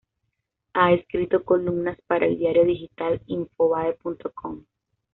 Ha escrito columnas para el diario digital Infobae.com.